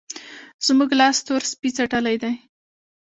زموږ لاس تور سپی څټلی دی.